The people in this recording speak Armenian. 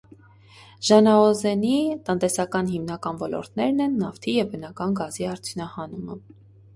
Ժանաօզենի տնտեսական հիմնական ոլորտներն են նավթի և բնական գազի արդյունահանումը։